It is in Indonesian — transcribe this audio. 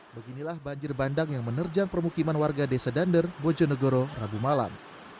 beginilah banjir bandang yang menerjang permukiman warga desa dander bojonegoro rabu malam